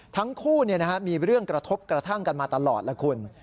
ทั้งคู่มีเรื่องกระทบกระทั่งกันมาตลอดแล้วคุณ